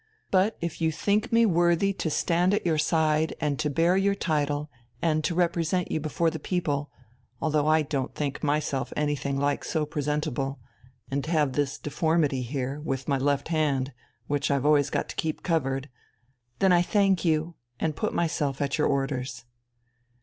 But if you think me worthy to stand at your side and to bear your title and to represent you before the people, although I don't think myself anything like so presentable, and have this deformity here, with my left hand, which I've always got to keep covered then I thank you and put myself at your orders."